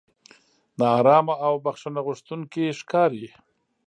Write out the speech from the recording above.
نا ارامه او بښنه غوښتونکي ښکاري.